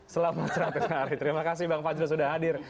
selamat seratus hari terima kasih bang fajro sudah hadir